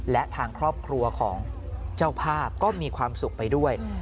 และทางครอบครัวของเจ้าภาพก็มีความสุขไปด้วย